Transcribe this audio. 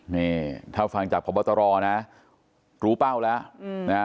นี่ถ้าฟังจากพบตรนะรู้เป้าแล้วนะฮะ